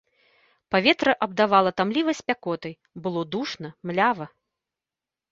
Паветра абдавала тамлівай спякотай, было душна, млява.